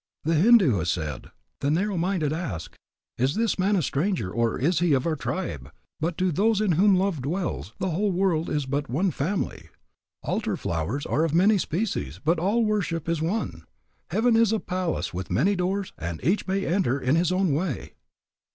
The Hindu has said, "The narrow minded ask, 'Is this man a stranger, or is he of our tribe?' But to those in whom love dwells, the whole world is but one family." "Altar flowers are of many species, but all worship is one." "Heaven is a palace with many doors, and each may enter in his own way."